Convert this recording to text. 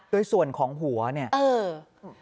ด้วยส่วนของหัวเนี่ย